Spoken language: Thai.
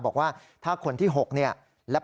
เพราะว่ามีทีมนี้ก็ตีความกันไปเยอะเลยนะครับ